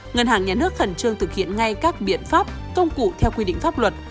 ngân hàng nhà nước khẩn trương thực hiện ngay các biện pháp công cụ theo quy định pháp luật